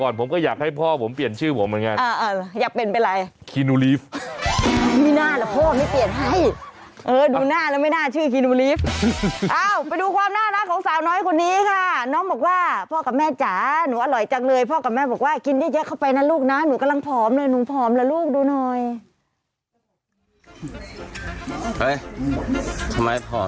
เดี๋ยวก็ชินนะลูกนะชื่อน้ารักโอ้โฮ